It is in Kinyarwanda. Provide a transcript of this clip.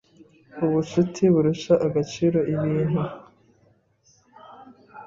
Ubucuti burusha agaciro ibintu